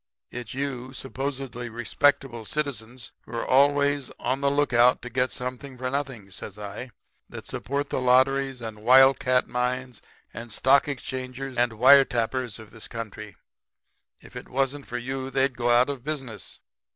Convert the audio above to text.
It's you supposedly respectable citizens who are always on the lookout to get something for nothing,' says I, 'that support the lotteries and wild cat mines and stock exchanges and wire tappers of this country. If it wasn't for you they'd go out of business.